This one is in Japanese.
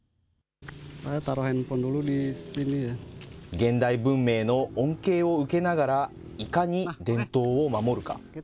現代文明の恩恵を受けながらいかに伝統を守るか。